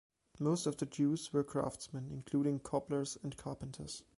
Most of the Jews were craftsmen, including cobblers and carpenters.